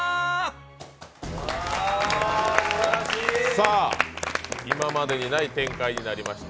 さあ、今までにない展開になりました。